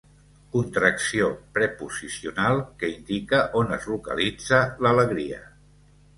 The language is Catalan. Contracció preposicional que indica on es localitza l'alegria.